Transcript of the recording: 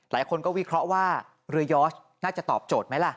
หลายคนก็วิเคราะห์ว่าเรือยอร์ชน่าจะตอบโจทย์ไหมล่ะ